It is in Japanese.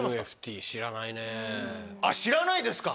知らないですか？